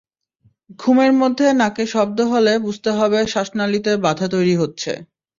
ঘুমের মধ্যে নাকে শব্দ হলে বুঝতে হবে শ্বাসনালিতে বাধা তৈরি হচ্ছে।